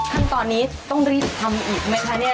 ขั้นตอนนี้ต้องรีบทำอีกไหมคะเนี่ย